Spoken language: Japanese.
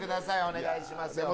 お願いしますよ